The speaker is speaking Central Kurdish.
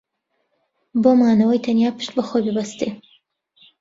بۆ مانەوەی تەنیا پشت بە خۆی ببەستێ